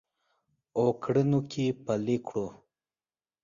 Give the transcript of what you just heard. او کړنو کې پلي کړو